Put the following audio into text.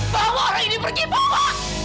bawa orang ini pergi bapak